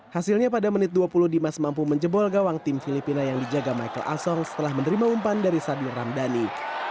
hasilnya pada menit dua puluh dimas mampu menjebol gawang tim filipina yang dijaga michael asong setelah menerima umpan dari sadil ramdhani